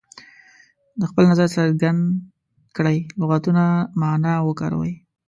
د خپل نظر څرګند کړئ لغتونه معنا او وکاروي.